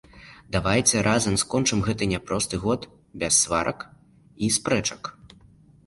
Давайце разам скончым гэты няпросты год без сварак і спрэчак.